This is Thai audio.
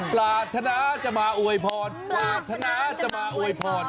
ปรารถนาจะมาอวยพรปรารถนาจะมาอวยพร